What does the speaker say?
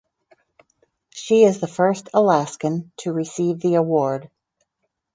She is the first Alaskan to receive the award.